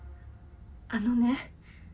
あのね